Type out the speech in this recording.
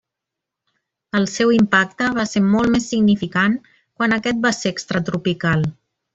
El seu impacte va ser molt més significant quan aquest va ser extratropical.